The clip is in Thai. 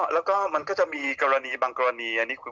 แล้วก็มันก็จะมีกรณีบางกรณี